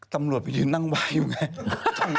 ตำรวจไปยืนนั่งไหว้อยู่ไง